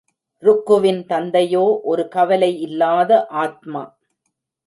ருக்குவின் தந்தையோ ஒரு கவலை இல்லாத ஆத்மா.